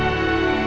aku mau ke rumah